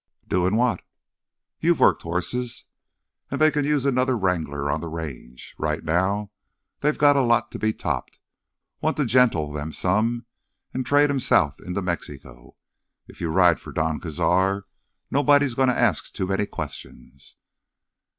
"Doin what?" "You've worked horses, and they can use another wrangler on the Range. Right now they've a lot to be topped—want to gentle 'em some and trade 'em south into Mexico. If you ride for Don Cazar, nobody's goin' to ask too many questions."